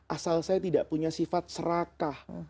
asal saya tidak punya sifat serakah